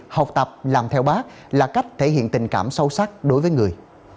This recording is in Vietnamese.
học tập làm theo bác là cách thể hiện tình cảm sâu sắc đối với người